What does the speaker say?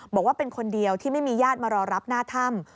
บอกว่าเป็นคนเดียวที่ไม่มีญาติมารอรับหน้าถ้ำ